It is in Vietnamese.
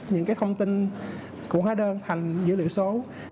những thông tin của hóa đơn thành dữ liệu số